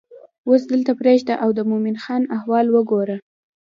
اوس دلته پرېږده او د مومن خان احوال وګوره.